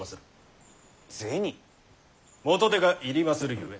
元手が要りまするゆえ。